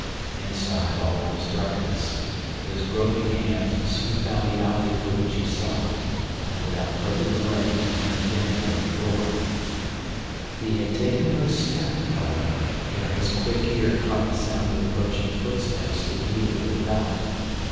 Inside all was darkness, but his groping hands soon found the object for which he sought, and without further delay he turned again toward the door. He had taken but a step, however, ere his quick ear caught the sound of approaching footsteps immediately without.